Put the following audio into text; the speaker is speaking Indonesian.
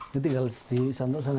ini tinggal di santun sana ya